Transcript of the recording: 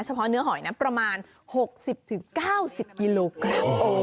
เพาะเนื้อหอยนะประมาณ๖๐๙๐กิโลกรัม